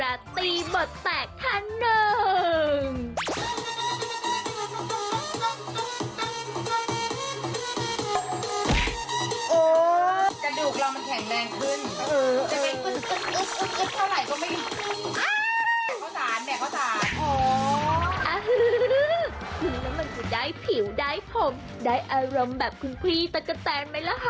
แล้วมันจะได้ผิวได้ผมได้อารมณ์แบบคุณพี่ตะกะแตนไหมล่ะค่ะ